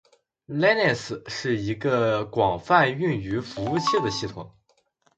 Linux 是一个广泛用于服务器的系统